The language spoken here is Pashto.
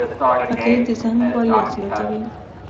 هګۍ د ذهن فعالیت زیاتوي.